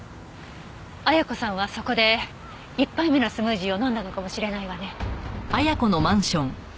綾子さんはそこで１杯目のスムージーを飲んだのかもしれないわね。